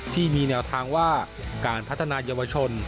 ที่มีแนวทางว่าการพัฒนายาวชน